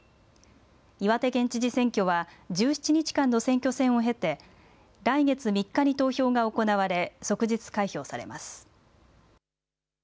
岩手県知事選挙は１７日間の選挙戦を経て来月３日に投票が行われ即日開票されます。